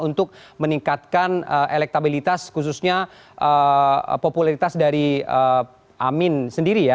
untuk meningkatkan elektabilitas khususnya popularitas dari amin sendiri ya